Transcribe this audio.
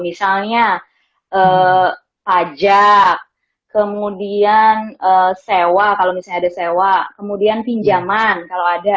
misalnya pajak kemudian sewa kalau misalnya ada sewa kemudian pinjaman kalau ada